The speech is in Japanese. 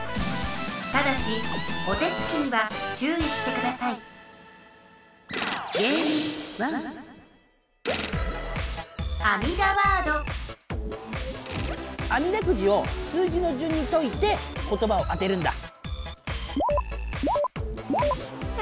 ただしお手つきにはちゅういしてくださいあみだくじを数字のじゅんにといて言ばを当てるんだ！